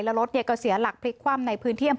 แล้วรถก็เสียหลักพลิกคว่ำในพื้นที่อำเภอ